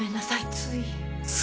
つい。